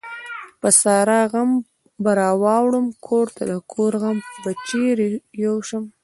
د سارا غم به راوړم کورته ، دکور غم به چيري يو سم ؟.